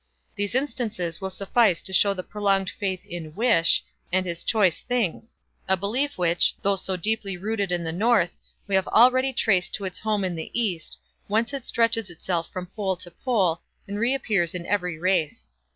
These instances will suffice to show the prolonged faith in "Wish", and his choice things; a belief which, though so deeply rooted in the North, we have already traced to its home in the East, whence it stretches itself from pole to pole, and reappears in every race.